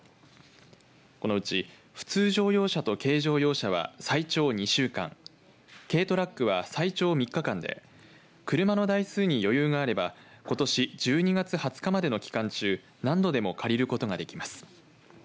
このうち普通乗用車と軽乗用車は最長２週間軽トラックは最長３日間で車の台数に余裕があればことし１２月２０日までの期間中何度でも借りることができます。